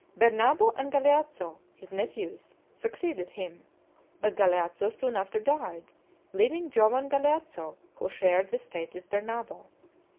Bernabo and Galeazzo, his nephews, succeeded him; but Galeazzo soon after died, leaving Giovan Galeazzo, who shared the state with Bernabo.